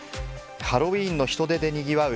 ハロウィーンの人出でにぎわう